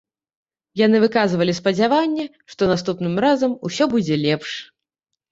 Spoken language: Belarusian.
Яны выказвалі спадзяванне, што наступным разам усё будзе лепш.